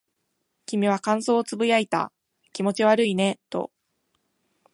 君は感想を呟いた。気持ち悪いねと。